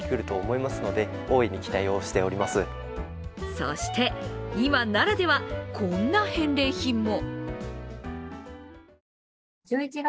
そして、今ならではこんな返礼品も。